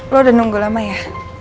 lo udah nunggu lama ya